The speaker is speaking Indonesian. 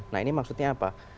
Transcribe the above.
nah ini maksudnya apa